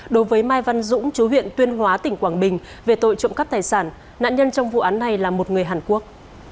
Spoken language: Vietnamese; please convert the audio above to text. đối với mai văn dũng chú huyện tuyên hóa tỉnh quảng bình về tội trộm cắp tài sản nạn nhân trong vụ án này là một người hàn quốc